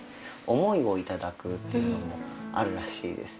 「思いをいただく」というのもあるらしいです。